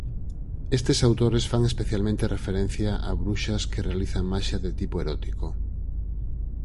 Estes autores fan especialmente referencia a bruxas que realizan maxia de tipo erótico.